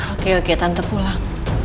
oke oke tante pulang